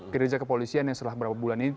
kerajaan kepolisian yang setelah beberapa bulan ini